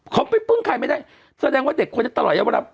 เขาไปพึ่งใครไม่ได้แสดงว่าเด็กควรจะตลอดยาวรับ